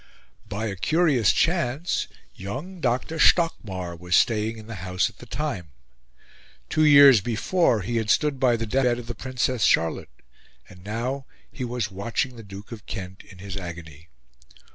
By a curious chance, young Dr. Stockmar was staying in the house at the time; two years before, he had stood by the death bed of the Princess Charlotte; and now he was watching the Duke of Kent in his agony.